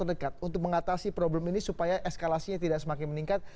dalam waktu dekat untuk mengatasi problem ini supaya eskalasinya tidak semakin meningkat